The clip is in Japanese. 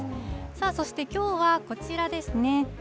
さあそしてきょうは、こちらですね。